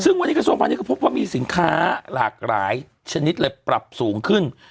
ซึ่งวันนี้กระทรวงพาณิชก็พบว่ามีสินค้าหลากหลายชนิดเลยปรับสูงขึ้น